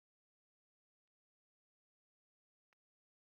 Biza i Rwaza mu misiyoni